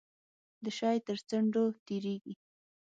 د شی تر څنډو تیریږي.